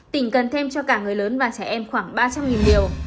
tỉnh cần thêm cho cả người lớn và trẻ em khoảng ba trăm linh điều